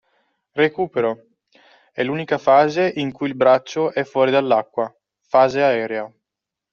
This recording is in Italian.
Recupero: è l’unica fase in cui il braccio è fuori dall’acqua (fase “aerea”).